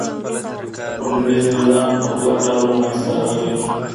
ټولنیز نظام په دوه ډوله منځ ته راغلی دی.